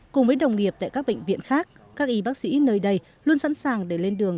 cùng với đồng nghiệp tại các bệnh viện khác các y bác sĩ nơi đây luôn sẵn sàng để lên đường